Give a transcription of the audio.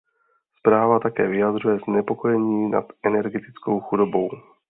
Zpráva také vyjadřuje znepokojení nad energetickou chudobou.